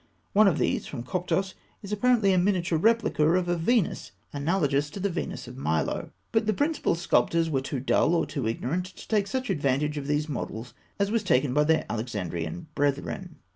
One of these, from Coptos, is apparently a miniature replica of a Venus analogous to the Venus of Milo. But the provincial sculptors were too dull, or too ignorant, to take such advantage of these models as was taken by their Alexandrian brethren.